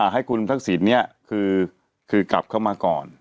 ให้คุณทักษิณเนี่ยคือกลับเข้ามาก่อน